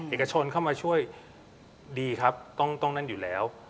เอกชนเข้ามาช่วยดีครับต้องนั่นอยู่แล้ว